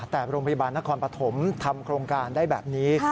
แต่โรงพยาบาลนครปฐมทำโครงการได้แบบนี้